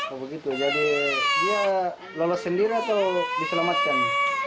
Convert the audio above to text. oh begitu jadi dia lolos sendiri atau diselamatkan